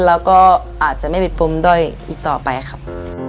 แล้วก็อาจจะไม่มีปมด้อยอีกต่อไปครับ